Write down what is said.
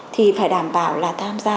thì phải đảm bảo là tham gia